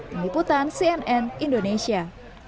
mengiputan cnn indonesia